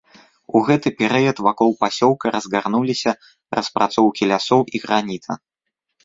У гэты перыяд вакол пасёлка разгарнуліся распрацоўкі лясоў і граніта.